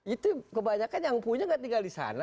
itu kebanyakan yang punya nggak tinggal di sana